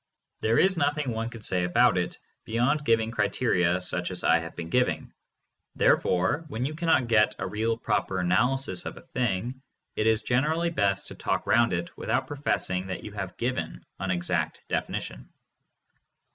There is nothing one could say about it, beyond giving criteria such as I have been giving. Therefore, when you cannot get a. real proper analysis of a thing, it is generally best to talk round it without professing that you have given an exact definition.